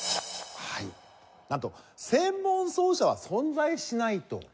はいなんと専門奏者は存在しないと。